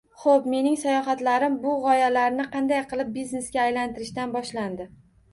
Xoʻp, mening sayohatlarim bu gʻoyalarni qanday qilib biznesga aylantirishdan boshlandi.